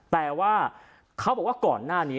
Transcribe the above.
แต่ว่าเขาบอกว่าก่อนหน้านี้